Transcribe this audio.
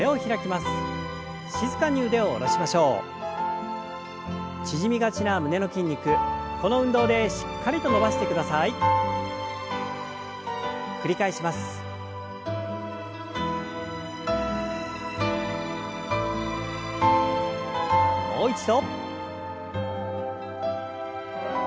もう一度。